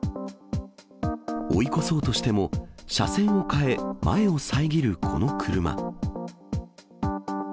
追い越そうとしても、車線を変え、前を遮るこの車。